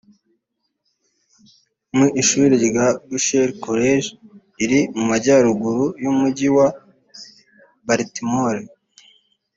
mu ishuri rya Goucher College riri mu Majyaruguru y’Umujyi wa Baltimore